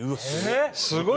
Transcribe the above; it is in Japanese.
すごい！